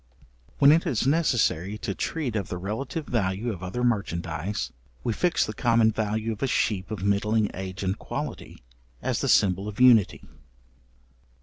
When it is necessary to treat of the relative value of other merchandize, we fix the common value of a sheep of middling age and quality, as the symbol of unity.